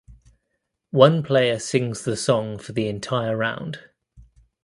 One player sings the song for the entire round.